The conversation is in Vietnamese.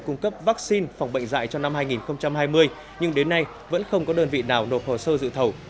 cung cấp vaccine phòng bệnh dạy cho năm hai nghìn hai mươi nhưng đến nay vẫn không có đơn vị nào nộp hồ sơ dự thầu